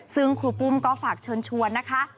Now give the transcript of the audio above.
ซึ่งครูปุ้มก็ฝากเชิญชวนนะคะ